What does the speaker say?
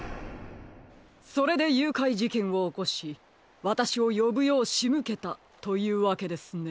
それでゆうかいじけんをおこしわたしをよぶようしむけたというわけですね。